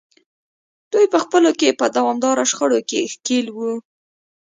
دوی په خپلو کې په دوامداره شخړو کې ښکېل وو.